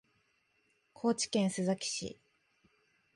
高知県須崎市